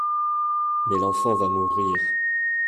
Mais l'enfant va mourir.